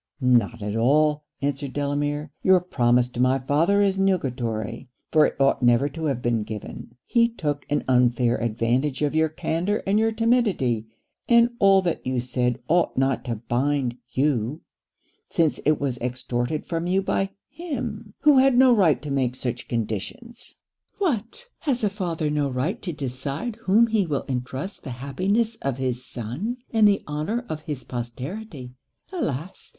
'Not at all,' answered Delamere. 'Your promise to my father is nugatory; for it ought never to have been given. He took an unfair advantage of your candour and your timidity; and all that you said ought not to bind you; since it was extorted from you by him who had no right to make such conditions.' 'What! has a father no right to decide to whom he will entrust the happiness of his son, and the honour of his posterity? Alas!